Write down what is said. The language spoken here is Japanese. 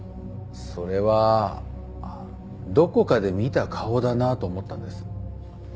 それはどこかで見た顔だなと思ったんです。